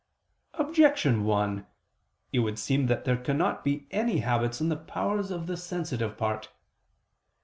Objection 1: It would seem that there cannot be any habits in the powers of the sensitive part.